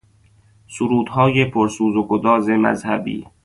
سرودهای پر سوز و گداز مذهبی